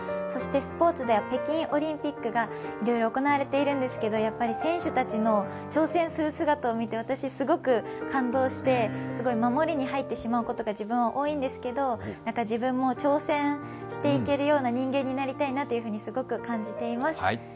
そしてスポーツでは北京オリンピックが行われているんですけれど選手たちの挑戦する姿を見て、私、すごく感動して、すごい守りに入ってしまうことが自分は多いんですけど、自分も挑戦していけるような人間になりたいなとすごく感じています。